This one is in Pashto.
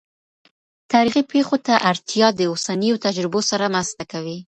تاریخي پېښو ته اړتیا د اوسنیو تجربو سره مرسته کوي.